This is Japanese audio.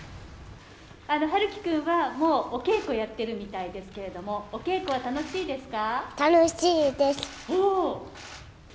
陽喜くんは、もうお稽古やってるみたいですけど、お稽古は楽しいですか？